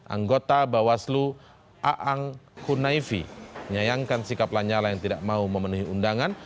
anggota bawaslu aang kunaifi menyayangkan sikap lanyala yang tidak mau memenuhi undangan